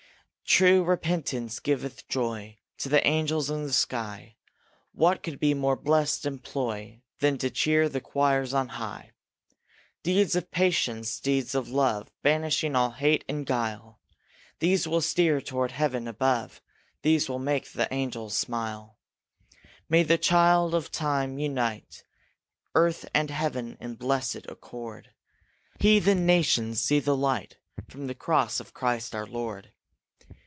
True repentance giveth joy To the angels in the sky. What could be more blest employ Than to cheer the choirs on high? Deeds of patience, deeds of love, Banishing all hate and guile These will steer toward heaven above, These will make the angels smile. May this child of time unite Earth and heaven in blest accord, Heathen nations see the light From the cross of Christ our Lord.